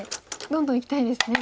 どんどんいきたいですね。